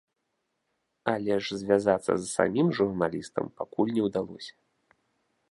Але ж звязацца з самім журналістам пакуль не ўдалося.